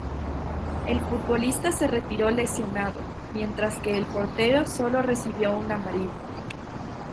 El futbolista se retiró lesionado, mientras que el portero sólo recibió una amarilla.